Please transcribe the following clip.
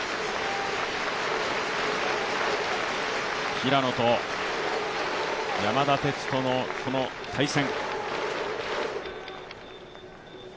平野と山田哲人の対戦。